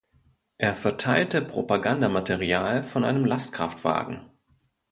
Er verteilte Propagandamaterial von einem Lastkraftwagen.